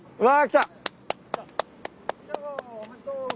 うわ。